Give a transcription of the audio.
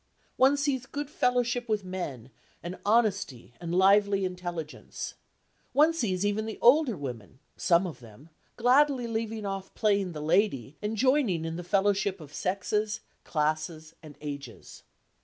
One sees good fellowship with men and honesty and lively intelligence. One sees even the older women, some of them, gladly leaving off playing the lady and joining in the fellowship of sexes, classes and ages.